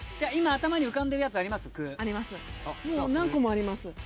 今頭に浮かんでるやつあります？